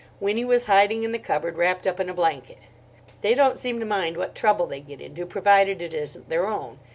Winnie was hiding in the cupboard, wrapped up in a blanket. They don't seem to mind what trouble they get into, provided it isn't their own.